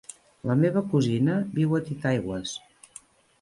La meva cosina viu a Titaigües.